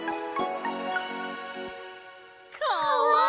かわいい！